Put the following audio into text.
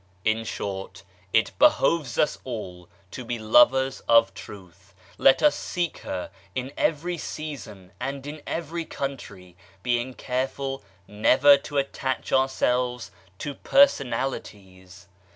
In short, it behoves us all to be lovers of Truth. Let us seek her in every season and in every country, being careful never to attach ourselves to personalities.